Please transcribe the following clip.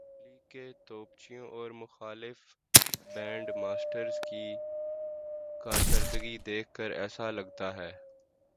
ن لیگ کے توپچیوں اور مختلف بینڈ ماسٹرز کی کارکردگی دیکھ کر ایسا لگتا ہے۔